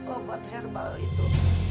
obat herbal itu